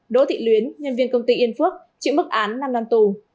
đỗ thị luyến nhân viên công ty yên phước chịu mức án năm năm tù